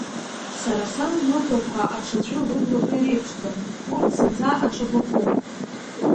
Сара сан лыблақәа аҽаӡәы лыблақәа иреиԥшӡам, урҭ зынӡа аҽа блақәоуп.